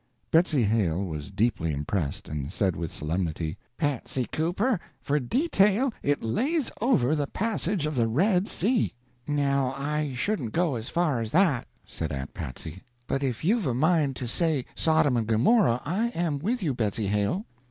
Betsy Hale was deeply impressed, and said with solemnity: "Patsy Cooper, for detail it lays over the Passage of the Red Sea." "Now, I shouldn't go as far as that," said Aunt Patsy, "but if you've a mind to say Sodom and Gomorrah, I am with you, Betsy Hale."